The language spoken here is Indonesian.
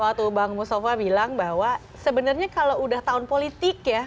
waktu bang mustafa bilang bahwa sebenarnya kalau udah tahun politik ya